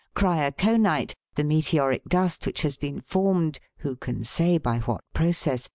Kryokonit, the meteoric dust which has been formed who can say by what process